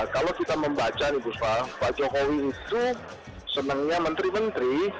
kalau kita membaca nih pak jokowi itu senangnya menteri menteri